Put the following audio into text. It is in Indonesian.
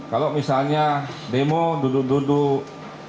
kalau misalnya demo duduk duduk